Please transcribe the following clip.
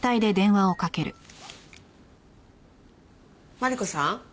マリコさん？